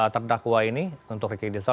terdakwa ini untuk riki rizal